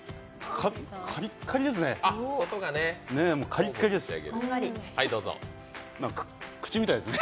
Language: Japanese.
カリッカリですね。